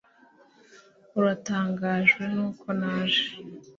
uratangajwe nuko naje